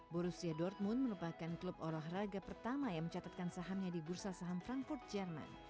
borussia dortmund merupakan klub olahraga pertama yang mencatatkan sahamnya di bursa saham frankfurt jerman